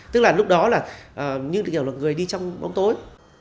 tức là lúc đó là như kiểu là người đi trong bóng tối